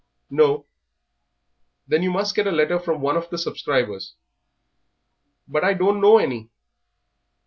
"No." "Then you must get a letter from one of the subscribers." "But I do not know any."